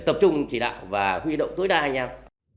tập trung chỉ đạo và huy động tối đa nhau